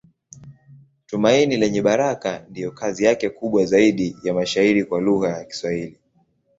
Tumaini Lenye Baraka ndiyo kazi yake kubwa zaidi ya mashairi kwa lugha ya Kiswahili.